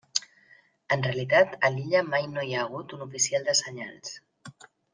En realitat a l'illa mai no hi ha hagut un oficial de senyals.